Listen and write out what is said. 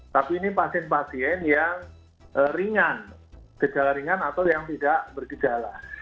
tapi ini pasien pasien yang ringan gejala ringan atau yang tidak bergejala